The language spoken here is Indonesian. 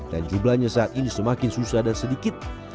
dan jumlahnya saat ini semakin susah dan sedikit